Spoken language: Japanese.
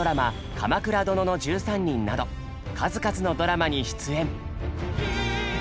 「鎌倉殿の１３人」など数々のドラマに出演。